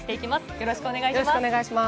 よろしくお願いします。